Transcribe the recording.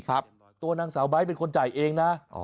ตัวนางสาวไบท์เป็นคนจ่ายเองนะ